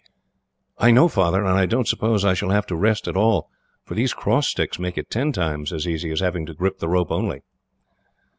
"I know, Father. And I don't suppose I shall have to rest at all, for these cross sticks make it ten times as easy as having to grip the rope only."